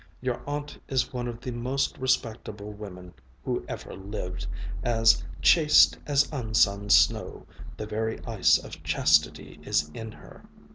Your aunt is one of the most respectable women who ever lived, as 'chaste as unsunned snow the very ice of chastity is in her!'